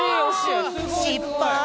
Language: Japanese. しっぱい！